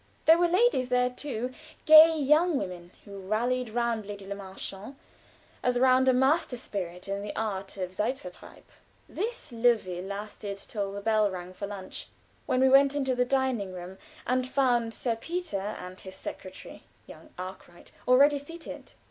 There were ladies there too gay young women, who rallied round Lady Le Marchant as around a master spirit in the art of Zeitvertreib. This levée lasted till the bell rang for lunch, when we went into the dining room, and found Sir Peter and his secretary, young Arkwright, already seated.